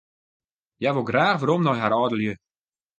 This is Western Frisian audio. Hja wol graach werom nei har âldelju.